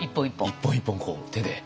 一本一本こう手で。